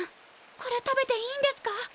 これ食べていいんですか？